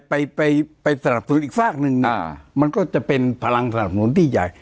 ไปไปสนับสนุนอีกฝากหนึ่งมันก็จะเป็นพลังสนับสนุนที่ใหญ่